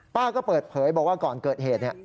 ป้าก็เปิดเผยบอกว่าก่อนเกิดเหตุ